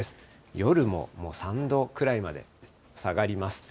夜も３度くらいまで下がります。